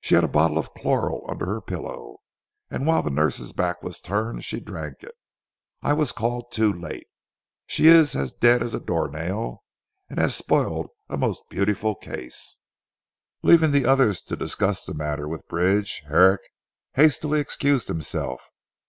"She had a bottle of chloral under her pillow, and while the nurse's back was turned, she drank it. I was called, too late. She is as dead as a door nail, and has spoilt a most beautiful case." Leaving the others to discuss the matter with Bridge, Herrick hastily excused himself.